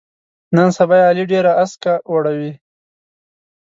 نن سبا یې علي ډېره اسکه وړوي.